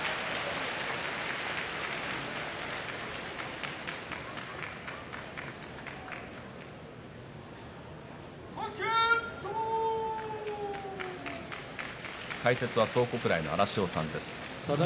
拍手解説は蒼国来の荒汐さんです。